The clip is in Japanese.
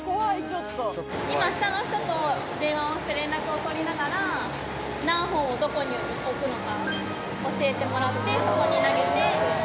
今、下の人と電話をして連絡をとりながら、何本をどこに置くのか教えてもらって、そこに投げて。